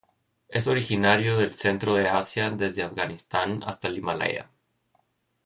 Es originario del centro de Asia desde Afganistán hasta el Himalaya.